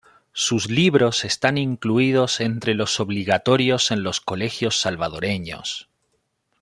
Sus libros están incluidos entre los obligatorios en los colegios salvadoreños.